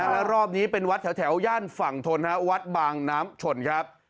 และรอบนี้เป็นวัดแถวย่านฝั่งทนวัดบางน้ำชนครับ